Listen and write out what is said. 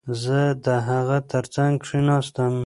زه د هغه ترڅنګ کښېناستم.